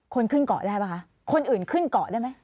คนขึ้นเกาะได้ป่ะคะคนอื่นขึ้นเกาะได้ไหม